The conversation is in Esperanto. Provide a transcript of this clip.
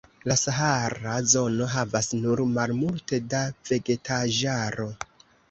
La sahara zono havas nur malmulte da vegetaĵaro.